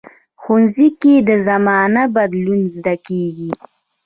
ښوونځی کې د زمانه بدلون زده کېږي